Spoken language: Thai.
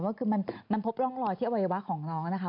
ว่าคือมันพบร่องรอยที่อวัยวะของน้องนะคะ